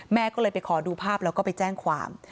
แม่ก็เลยไปขอดูภาพแล้วก็ไปแจ้งความ